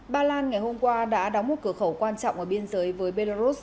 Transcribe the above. ba lan ngày hôm qua đã đóng một cửa khẩu quan trọng ở biên giới với belarus